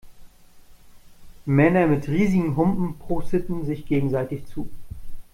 Männer mit riesigen Humpen prosteten sich gegenseitig zu.